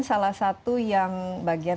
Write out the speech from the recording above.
salah satu yang bagian